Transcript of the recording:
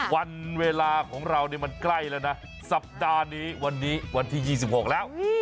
วันเวลาของเราเนี่ยมันใกล้แล้วนะสัปดาห์นี้วันนี้วันที่๒๖แล้ว